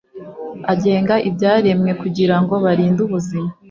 agenga ibyaremwe kugira ngo barinde ubuzima